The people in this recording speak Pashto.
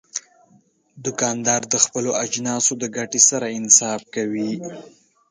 دوکاندار د خپلو اجناسو د ګټې سره انصاف کوي.